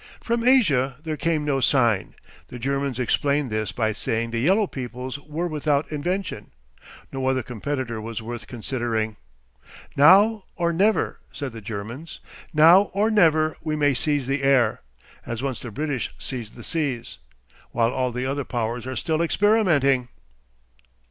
From Asia there came no sign. The Germans explained this by saying the yellow peoples were without invention. No other competitor was worth considering. "Now or never," said the Germans "now or never we may seize the air as once the British seized the seas! While all the other powers are still experimenting."